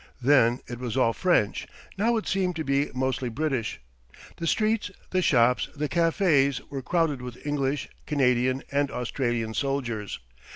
Then it was all French; now it seemed to be mostly British. The streets, the shops, the cafés, were crowded with English, Canadian, and Australian soldiers.